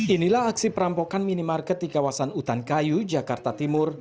inilah aksi perampokan minimarket di kawasan utan kayu jakarta timur